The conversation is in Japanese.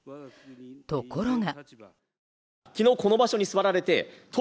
ところが。